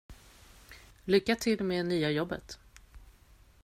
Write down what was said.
Lycka till med nya jobbet.